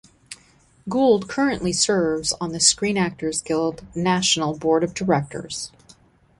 Gould currently serves on the Screen Actors Guild National Board of Directors.